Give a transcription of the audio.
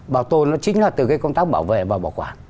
bảo tồn nó chính là từ cái công tác bảo vệ và bảo quản